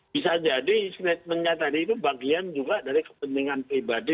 bisa jadi statementnya tadi itu bagian juga dari kepentingan pribadi